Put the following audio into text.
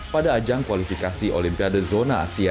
pada ajang kualifikasi olimpiade zona asia